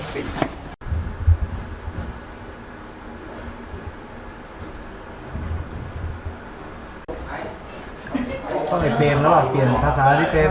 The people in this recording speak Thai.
ต้องให้เปรียบแล้วหรอเปลี่ยนภาษาแล้วได้เปรียบ